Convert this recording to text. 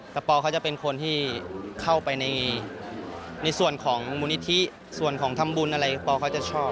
แต่ปอเขาจะเป็นคนที่เข้าไปในส่วนของมูลนิธิส่วนของทำบุญอะไรปอเขาจะชอบ